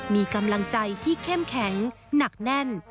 มีกำลังใจที่เข้มแข็งหนักแน่น